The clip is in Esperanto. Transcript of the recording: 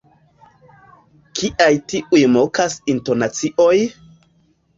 Kial tiuj mokaj intonacioj?